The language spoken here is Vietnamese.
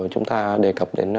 chúng ta đề cập đến